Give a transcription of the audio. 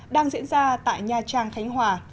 đang diễn ra tại nhà trang khánh hòa